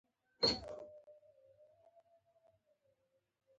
زه د یو کتاب په اړه لیکم.